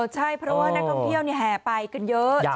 ใช่เพราะว่านักท่องเที่ยวแห่ไปกันเยอะ